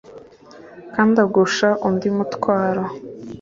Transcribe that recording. kandi agusha undi mutwaro